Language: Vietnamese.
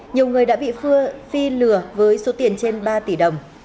nhiều người đã bị khua phi lừa với số tiền trên ba tỷ đồng